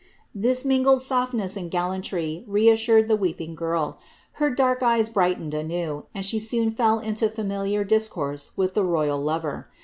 *^^ This mingled soAness and gallantry reassured the weeping girl ; her dark eyes brightened anew, and she soon fell into familiar discourse with the royal lover.